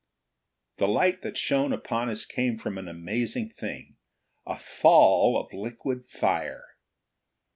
The light that shone upon us came from an amazing thing a fall of liquid fire.